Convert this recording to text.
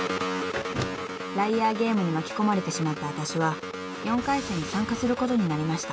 ［ＬＩＡＲＧＡＭＥに巻き込まれてしまったわたしは４回戦に参加することになりました］